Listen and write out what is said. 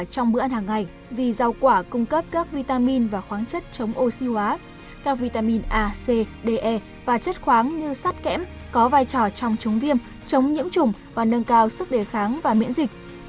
trong bữa ăn hàng ngày vì rau quả cung cấp các vitamin và khoáng chất chống oxy hóa các vitamin a c de và chất khoáng như sắt kẽm có vai trò trong chống viêm chống nhiễm trùng và nâng cao sức đề kháng và miễn dịch